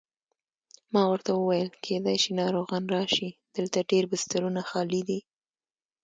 ما ورته وویل: کېدای شي ناروغان راشي، دلته ډېر بسترونه خالي دي.